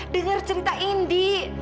dengar cerita indi